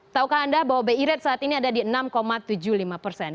taukah anda bahwa bi rate saat ini ada di enam tujuh puluh lima persen